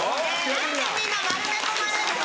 何でみんな丸め込まれるの？